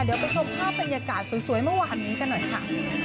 เดี๋ยวไปชมภาพบรรยากาศสวยเมื่อวานนี้กันหน่อยค่ะ